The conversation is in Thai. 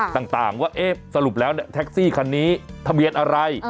ค่ะต่างว่าเอ๊ยสรุปแล้วเนี้ยแท็กซี่คัณิทะเบียนอะไร